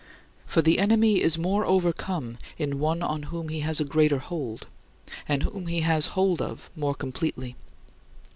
For the enemy is more overcome in one on whom he has a greater hold, and whom he has hold of more completely.